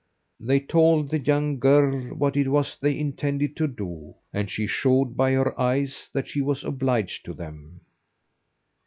They told the young girl what it was they intended to do, and she showed by her eyes that she was obliged to them.